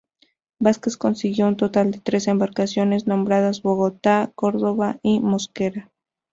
Vásquez consiguió un total de tres embarcaciones, nombradas Bogotá, Córdoba y Mosquera.